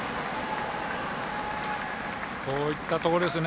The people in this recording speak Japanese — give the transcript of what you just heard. こういったところですよね